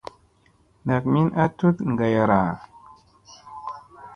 Ndak min a tut gayara.